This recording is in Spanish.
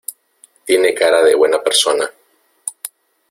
Tiene cara de buena persona.